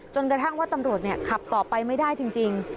จนกระทั่งว่าตำรวจขับต่อไปไม่ได้จริง